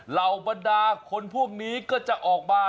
เหล่าบรรดาคนพวกนี้ก็จะออกมา